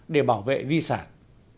để bảo vệ di sản